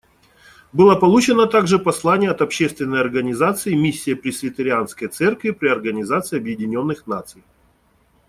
Было получено также послание от общественной организации Миссия Пресвитерианской церкви при Организации Объединенных Наций.